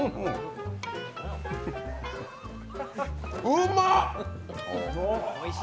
うまっ！